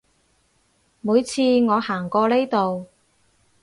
每次我行過呢度